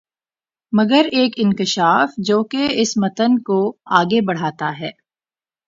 مگر ایک انکشاف جو کہ اس متن کو آگے بڑھاتا ہے